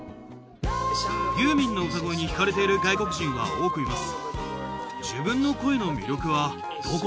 ユーミンの歌声に引かれている外国人は多くいます。